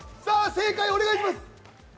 正解お願いします。